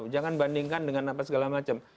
jangan bandingkan dengan apa segala macam